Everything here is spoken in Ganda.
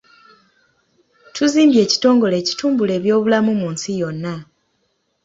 Tuzimbye ekitongole ekitumbula eby'obulamu mu nsi yonna.